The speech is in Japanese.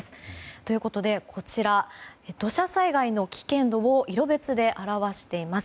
ということでこちらは土砂災害の危険度を色別で表しています。